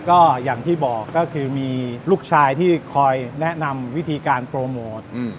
ก็อย่างที่บอกก็คือมีลูกชายที่คอยแนะนำวิธีการโปรโมท